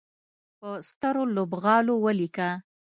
په سترو لوبغالو ولیکه